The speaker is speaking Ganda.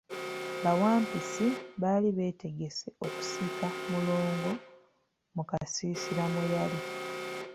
Bawampisi baali beetegese okusika Mulongo mu kasiisira mwe yali.